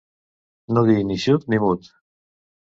No dir ni xut ni mut.